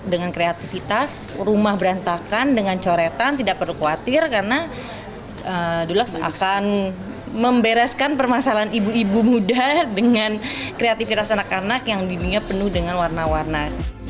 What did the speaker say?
dengan kreativitas rumah berantakan dengan coretan tidak perlu khawatir karena dulakx akan membereskan permasalahan ibu ibu muda dengan kreativitas anak anak yang dininya penuh dengan warna warna